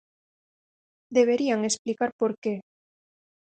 Deberían explicar por que.